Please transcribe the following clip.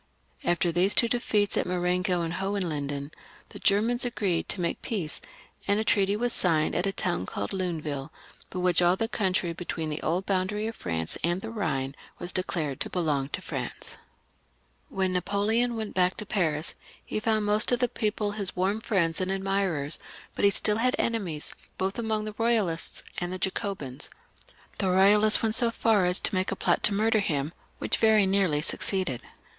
After these two defeats of Marengo and Hohenlinden, the Germans agreed to make peace, and a treaty was signed at a town called Luneville, by which all the country between the old boundary of France and the Ehine was declared to belong to France. When NaJ)oleon went back to Paris he found most of the people his warm friends and admirers ; but he stiU had enemies, both among the Boyalists and the Jacobins. The Eoyalists went so far as to make a plot to murder him, which very nearly succeeded.